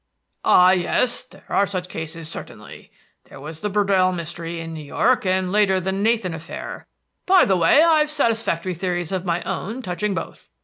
"Ah, yes, there are such cases, certainly. There was the Burdell mystery in New York, and, later, the Nathan affair By the way, I've satisfactory theories of my own touching both.